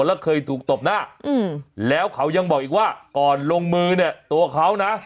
แล้วเคยถูกตบหน้าแล้วเขายังบอกอีกว่าก่อนลงมือเนี่ยตัวเขานะ